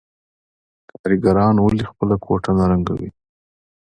کارګران ولې خپله کوټه نه رنګوي